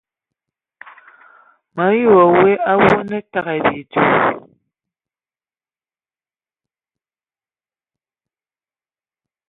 Me ayi wa we awu a na te ai bidzo !